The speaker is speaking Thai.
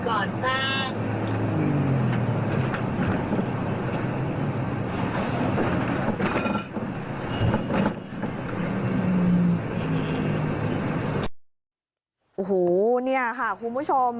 โอ้โหเนี่ยค่ะคุณผู้ชม